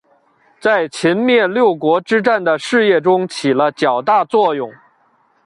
在秦灭六国之战的事业中起了较大作用。